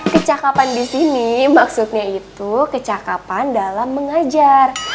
kecakapan disini maksudnya itu kecakapan dalam mengajar